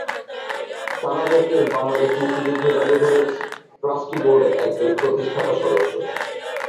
সারা যাকের বাংলাদেশ মুক্তিযুদ্ধ যাদুঘরের ট্রাস্টি বোর্ডের একজন প্রতিষ্ঠাতা সদস্য।